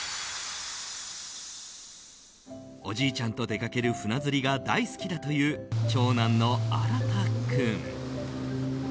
おじいちゃんと出かける船釣りが大好きだという長男の新君。